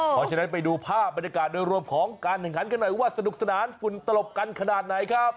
เพราะฉะนั้นไปดูภาพบรรยากาศโดยรวมของการแข่งขันกันหน่อยว่าสนุกสนานฝุ่นตลบกันขนาดไหนครับ